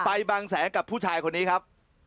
บางแสงกับผู้ชายคนนี้ครับ